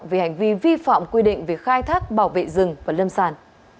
về hành vi vi phạm quy định về khai thác bảo vệ rừng và lâm sản